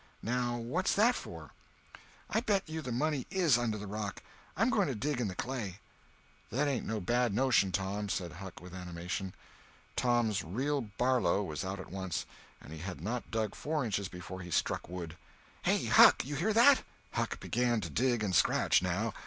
Now, what's that for? I bet you the money is under the rock. I'm going to dig in the clay." "That ain't no bad notion, Tom!" said Huck with animation. Tom's "real Barlow" was out at once, and he had not dug four inches before he struck wood. "Hey, Huck!—you hear that?" Huck began to dig and scratch now.